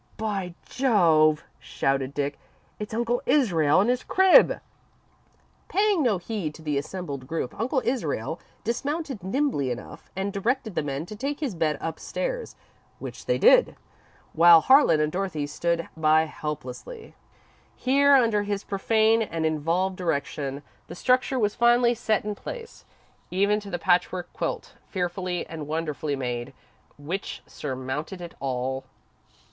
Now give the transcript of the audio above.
"By Jove!" shouted Dick; "it's Uncle Israel and his crib!" Paying no heed to the assembled group, Uncle Israel dismounted nimbly enough, and directed the men to take his bed upstairs, which they did, while Harlan and Dorothy stood by helplessly. Here, under his profane and involved direction, the structure was finally set in place, even to the patchwork quilt, fearfully and wonderfully made, which surmounted it all.